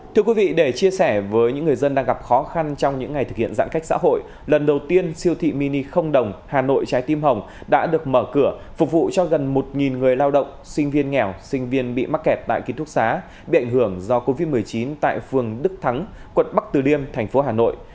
thưa quý vị để chia sẻ với những người dân đang gặp khó khăn trong những ngày thực hiện giãn cách xã hội lần đầu tiên siêu thị mini không đồng hà nội trái tim hồng đã được mở cửa phục vụ cho gần một người lao động sinh viên nghèo sinh viên bị mắc kẹt tại ký thúc xá bị ảnh hưởng do covid một mươi chín tại phường đức thắng quận bắc từ liêm thành phố hà nội